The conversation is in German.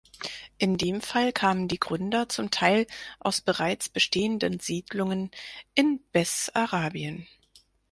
In dem Fall kamen die Gründer zum Teil aus bereits bestehenden Siedlungen in Bessarabien.